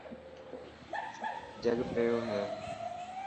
جڳ پيو هي.